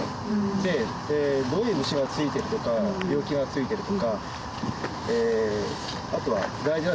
でどういう虫がついてるとか病気がついてるとか。